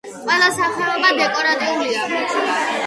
ყველა სახეობა დეკორატიულია.